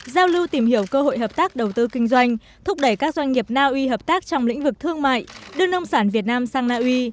giao lưu tìm hiểu cơ hội hợp tác đầu tư kinh doanh thúc đẩy các doanh nghiệp na uy hợp tác trong lĩnh vực thương mại đưa nông sản việt nam sang naui